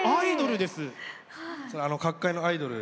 角界のアイドル。